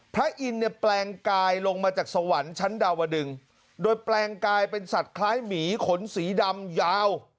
พระอินทร์เนี่ยแปลงกายลงมาจากสวรรค์ชั้นดาวดึงโดยแปลงกายเป็นสัตว์คล้ายหมีขนสีดำยาว